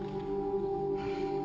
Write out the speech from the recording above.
うん。